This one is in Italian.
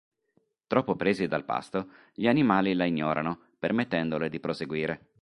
Troppo presi dal pasto, gli animali la ignorano, permettendole di proseguire.